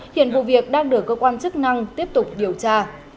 hiện vụ việc đang được cơ quan chức năng tiếp tục điều tra